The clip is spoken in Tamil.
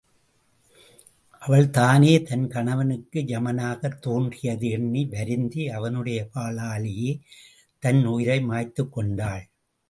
அவள் தானே தன் கணவனுக்கு யமனாகத் தோன்றியதை எண்ணி வருந்தி, அவனுடைய வாளாலேயே தன் உயிரை மாய்த்துக் கொண்டாள்.